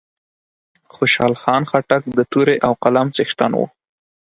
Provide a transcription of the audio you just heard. خوشحال خان خټک د تورې او قلم څښتن وو